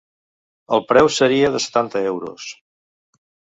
El preu seria de setanta euros.